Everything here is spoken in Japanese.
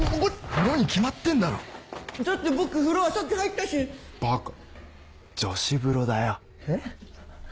風呂に決まってんだろだって僕風呂はさっき入ったしバカ女子風呂だよえ？